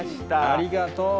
ありがとう。